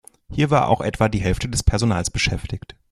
Hier war auch etwa die Hälfte des Personals beschäftigt.